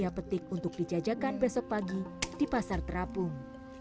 dan memetik untuk dijajakan besok pagi di pasar terapung